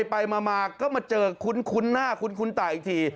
ไปมาก็มาเจอคุ้นคุ้นหน้าคุ้นคุ้นตาอีกที